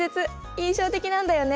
印象的なんだよね。